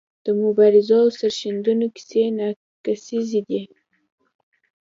د مبارزو او سرښندنو کیسې ناکیسیزې دي.